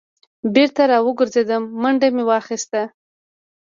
بېرته را وګرځېدم منډه مې واخیسته.